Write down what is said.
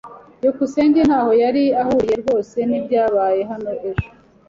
byukusenge ntaho yari ahuriye rwose nibyabaye hano ejo.